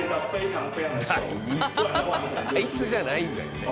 あいつじゃないんだよね。